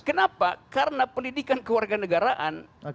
kenapa karena pendidikan kewarganegaraan